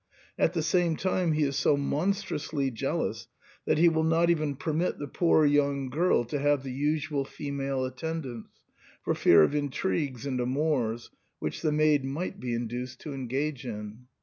At the same time he is so mon strously jealous that he will not even permit the poor young girl to have the usual female attendance, for fear of intrigues and amours, which the maid might be induced to engage in.